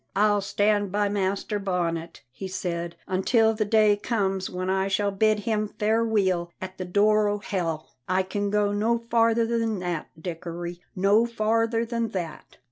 "I'll stand by Master Bonnet," he said, "until the day comes when I shall bid him fareweel at the door o' hell. I can go no farther than that, Dickory, no farther than that!"